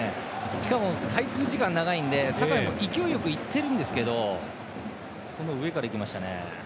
しかも滞空時間が長いので酒井も勢いよくいっているんですけどもその上からいきましたね。